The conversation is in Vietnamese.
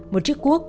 một chiếc cuốc